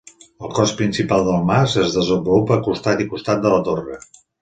El cos principal del mas es desenvolupa a costat i costat de la torre.